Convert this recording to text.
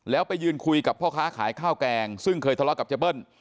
แล้วไปยืนคุยกับพ่อค้าขายข้าวแกงซึ่งเคยทะเลาะกับเจ๊เบิ้ล